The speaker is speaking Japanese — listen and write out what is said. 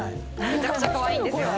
めちゃくちゃかわいいんですよ